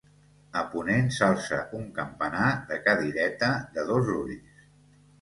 A ponent s'alça un campanar de cadireta de dos ulls.